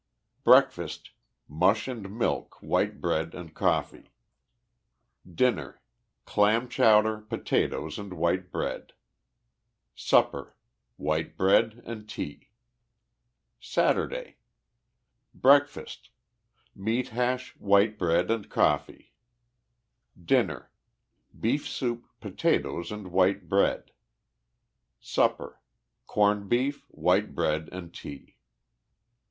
Breakfast. — Mush and milk, white bread and coffee. Dinner. — Clam chowder, potatoes and white bread. Supper. — White bread and tea. 7S THE LIFE OF JESSE HARDING POMEROY. SATURDAY. Breakfast. — Meat hash, white bread and coffee. Dinner. — Beef soup, potatoes and white bread. Supper. — Corned beef, white bread and tea.